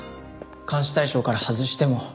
監視対象から外しても。